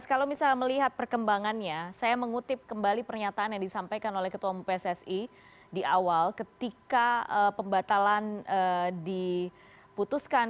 kalau misalnya melihat perkembangannya saya mengutip kembali pernyataan yang disampaikan oleh ketua pssi di awal ketika pembatalan diputuskan